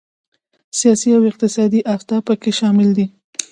سیاسي او اقتصادي اهداف پکې شامل دي.